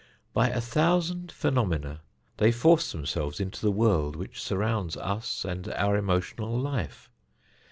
By a thousand phenomena they force themselves into the world which surrounds us and our emotional life.